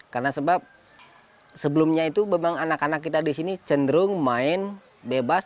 karena sebab sebelumnya itu memang anak anak kita di sini cenderung main bebas